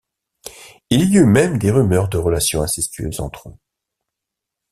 Il y eut même des rumeurs de relation incestueuse entre eux.